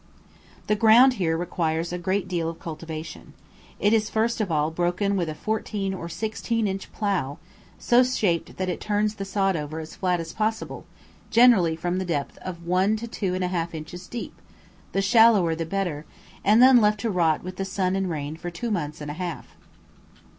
The ground here requires a great deal of cultivation. It is first of all broken with a fourteen or sixteen inch plough, so shaped that it turns the sod over as flat as possible, generally from the depth of two to two and a half inches deep, the shallower the better, and then left to rot with the sun and rain for two months and a half.